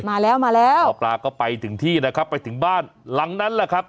มาแล้วมาแล้วหมอปลาก็ไปถึงที่นะครับไปถึงบ้านหลังนั้นแหละครับ